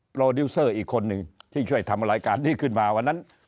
โปรดิวเซอร์อีกคนนึงที่ช่วยทำรายการนี้ขึ้นมาวันนั้น